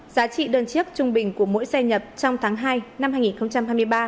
giá trị đơn chiếc trung bình của mỗi xe nhập trong tháng hai năm hai nghìn hai mươi ba